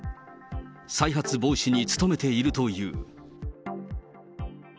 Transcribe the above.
再発防止に努めているという。